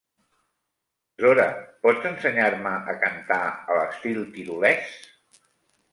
Zora, pots ensenyar-me a cantar a l'estil tirolès?